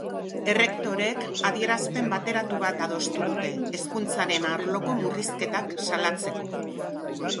Errektoreek adierazpen bateratu bat adostu dute, hezkuntzaren arloko murrizketak salatzeko.